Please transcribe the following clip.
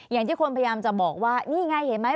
อย่างที่คนพยายามจะบอกว่านี่ไงเห็นไหม